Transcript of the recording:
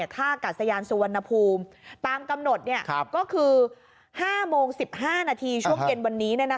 ท่ากัดสยานสุวรรณภูมิตามกำหนดก็คือ๕โมง๑๕นาทีช่วงเย็นวันนี้